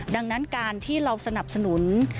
ดังนั้นการที่เราสนับสนุน